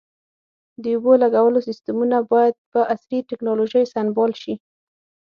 د اوبو لګولو سیستمونه باید په عصري ټکنالوژۍ سنبال شي.